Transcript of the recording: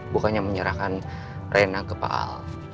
bukannya menyerahkan rena ke pak al